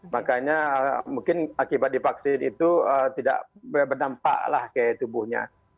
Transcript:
makanya mungkin akibat divaksin itu tidak berdampaklah ke tubuhnya